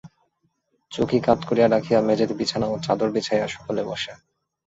চৌকি কাত করিয়া রাখিয়া মেঝেতে বিছানা ও চাদর বিছাইয়া সকলে বসে।